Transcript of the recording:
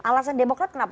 alasan demokrat kenapa